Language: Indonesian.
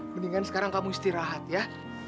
mendingan sekarang kamu istirahat ya